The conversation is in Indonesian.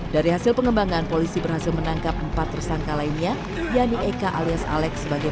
dari hasil pengembangan polisi berhasil menangkap empat tersangka lainnya yanni eka alias alex sebagai